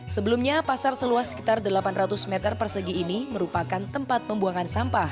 sebelumnya pasar seluas sekitar delapan ratus meter persegi ini merupakan tempat pembuangan sampah